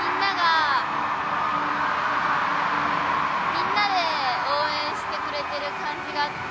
みんなで応援してくれている感じがあって